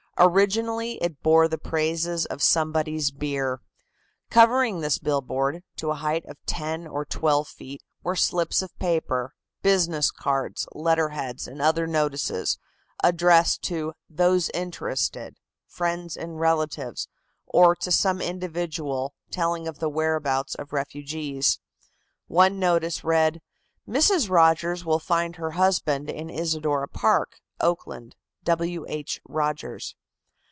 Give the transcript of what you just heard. Originally it bore the praises of somebody's beer. Covering this billboard, to a height of ten or twelve feet, were slips of paper, business cards, letter heads and other notices, addressed to "Those interested," "Friends and relatives," or to some individual, telling of the whereabouts of refugees. One notice read: "Mrs. Rogers will find her husband in Isidora Park, Oakland. W. H. Rogers."